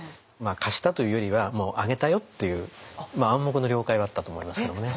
貸したというよりはもうあげたよっていう暗黙の了解はあったと思いますけどもね。